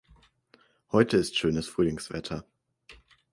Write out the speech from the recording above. Heute ist schönes Frühlingswetter.